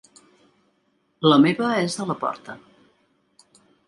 La meva és a la porta.